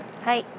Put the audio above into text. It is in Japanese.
はい。